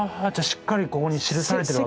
しっかりここに記されてるわけですね。